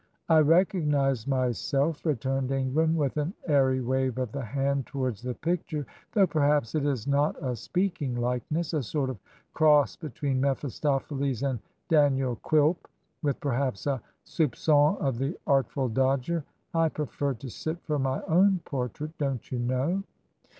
"I recognised myself," returned Ingram, with an airy wave of the hand towards the picture, "though perhaps it is not a speaking likeness a sort of cross between Mephistophiles and Daniel Quilp, with perhaps a soupçon of the Artful Dodger. I prefer to sit for my own portrait, don't you know."